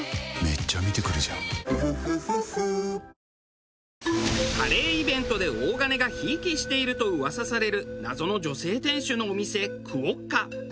あカレーイベントで大金が贔屓していると噂される謎の女性店主のお店クオッカ。